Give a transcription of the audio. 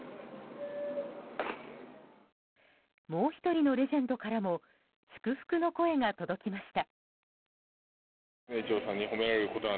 もう１人のレジェンドからも祝福の声が届きました。